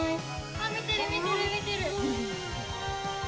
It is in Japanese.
見てる、見てる、見てる。